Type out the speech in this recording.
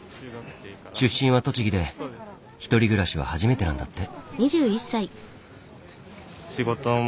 出身は栃木で１人暮らしは初めてなんだって。